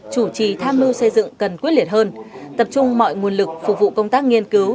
chủ trì tham mưu xây dựng cần quyết liệt hơn tập trung mọi nguồn lực phục vụ công tác nghiên cứu